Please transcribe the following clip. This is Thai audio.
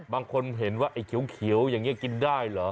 บางคนเห็นว่าไอ้เขียวอย่างนี้กินได้เหรอ